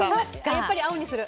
やっぱり青にする。